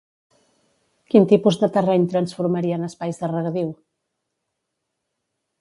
Quin tipus de terreny transformaria en espais de regadiu?